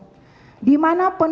yang dibacakan oleh penuntut umum